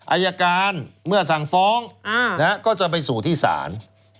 อายการเมื่อสั่งฟ้องก็จะไปสู่ที่ศาล